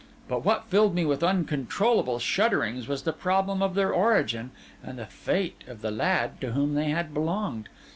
But what filled me with uncontrollable shudderings, was the problem of their origin and the fate of the lad to whom they had belonged.